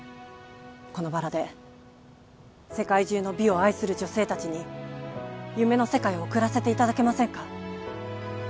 このバラで世界中の美を愛する女性達に夢の世界を贈らせていただけませんか？